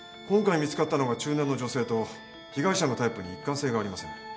今回見つかったのが中年の女性と被害者のタイプに一貫性がありません。